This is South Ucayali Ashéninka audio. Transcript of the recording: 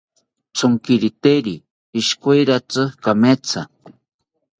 Tsonkiriteri ishikorotsi kametha